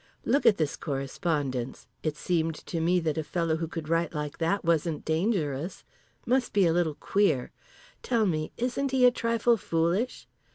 Look at this correspondence. It seemed to me that a fellow who could write like that wasn't dangerous. Must be a little queer. Tell me, isn't he a trifle foolish?